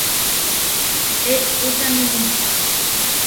Eʼtusanimu.